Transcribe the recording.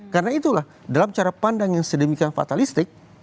karena itulah dalam cara pandang yang sedemikian fatalistik